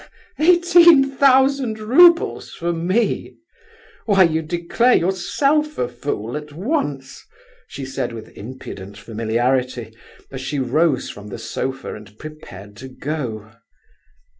"Eighteen thousand roubles, for me? Why, you declare yourself a fool at once," she said, with impudent familiarity, as she rose from the sofa and prepared to go.